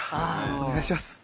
お願いします。